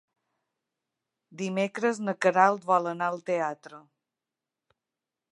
Dimecres na Queralt vol anar al teatre.